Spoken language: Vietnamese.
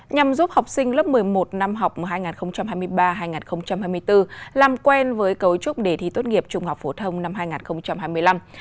nhằm giúp học sinh lớp một mươi một năm học hai nghìn hai mươi ba hai nghìn hai mươi bốn làm quen với cấu trúc đề thi tốt nghiệp trung học phổ thông năm hai nghìn hai mươi năm